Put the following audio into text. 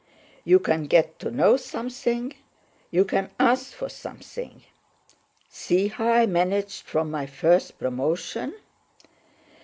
"You can get to know something, you can ask for something. See how I managed from my first promotion."